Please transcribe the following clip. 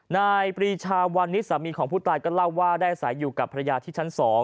นายปรีชาวันนี้สามีของผู้ตายก็เล่าว่าได้อาศัยอยู่กับภรรยาที่ชั้น๒